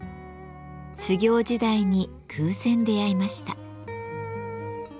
修業時代に偶然出会いました。